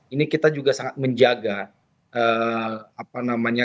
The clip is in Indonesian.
ini kita juga sangat menjaga